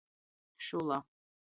Šula.